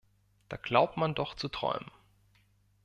Da glaubt man doch zu träumen!